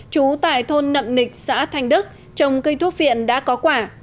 trú tại thôn nậm nịch xã thanh đức trồng cây thuốc viện đã có quả